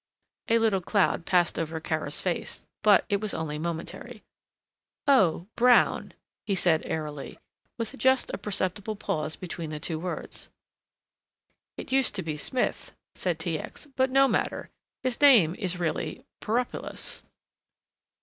A little cloud passed over Kara's face, but it was only momentary. "Oh, Brown," he said, airily, with just a perceptible pause between the two words. "It used to be Smith," said T. X., "but no matter. His name is really Poropulos."